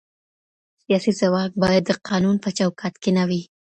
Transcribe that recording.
سياسي ځواک بايد د قانون په چوکاټ کې نه وي؟